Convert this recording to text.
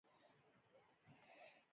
ستا لیکنه د کوڅې او بازار په سویې لیکل شوې.